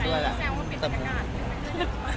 ก็เปลี่ยนบรรยากาศ